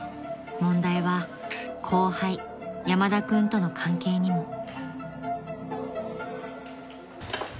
［問題は後輩山田君との関係にも］